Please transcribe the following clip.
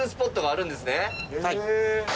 はい。